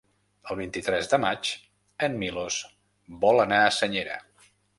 El vint-i-tres de maig en Milos vol anar a Senyera.